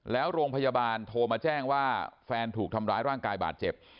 แล้วโรงพยาบาลโทรมาแจ้งว่าแฟนถูกทำร้ายร่างกายบาดเจ็บ